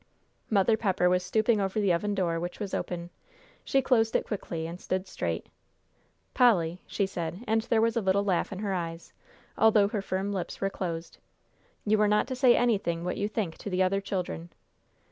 Mother Pepper was stooping over the oven door, which was open. She closed it quickly, and stood straight. "Polly," she said, and there was a little laugh in her eyes, although her firm lips were closed, "you are not to say anything what you think to the other children."